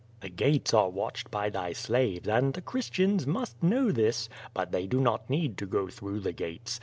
"The gates are watched by thy slaves, and the Christians must know this. But they do not need to go through the gates.